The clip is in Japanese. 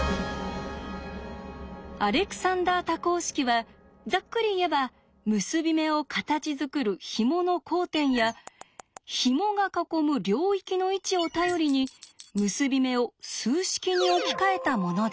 アレクサンダー多項式はざっくり言えば結び目を形づくるひもの交点やひもが囲む領域の位置を頼りに結び目を数式に置き換えたものです。